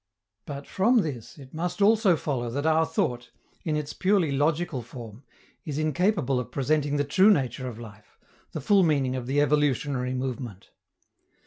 But from this it must also follow that our thought, in its purely logical form, is incapable of presenting the true nature of life, the full meaning of the evolutionary movement.